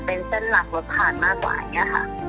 รถผ่านมากกว่าอย่างนี้ค่ะ